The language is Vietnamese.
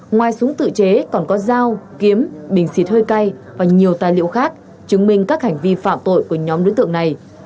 ngoài súng tự chế còn có dao kiếm bình xịt hơi cay và nhiều tài liệu khác chứng minh các hành vi phạm tội của nhóm đối tượng này